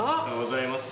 はい。